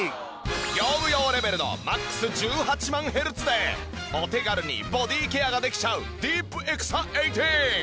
業務用レベルのマックス１８万ヘルツでお手軽にボディーケアができちゃうディープエクサ１８。